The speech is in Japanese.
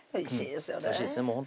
おいしいですよね